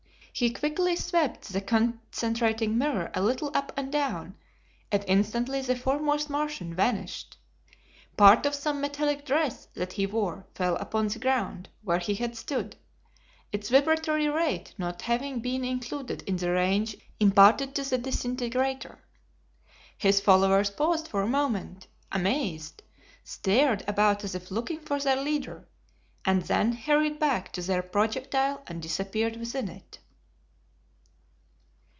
He quickly swept the concentrating mirror a little up and down, and instantly the foremost Martian vanished! Part of some metallic dress that he wore fell upon the ground where he had stood, its vibratory rate not having been included in the range imparted to the disintegrator. His followers paused for a moment, amazed, stared about as if looking for their leader, and then hurried back to their projectile and disappeared within it.